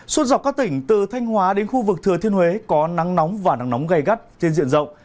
suốt dọc các tỉnh từ thanh hóa đến khu vực thừa thiên huế có nắng nóng và nắng nóng gây gắt trên diện rộng